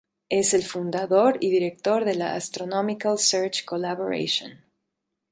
Es el fundador y director de la Astronomical Search Collaboration.